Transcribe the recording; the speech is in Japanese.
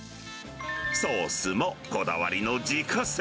ソースもこだわりの自家製。